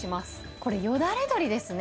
これ、よだれ鶏ですね。